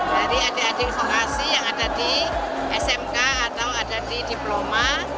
dari adik adik lokasi yang ada di smk atau ada di diploma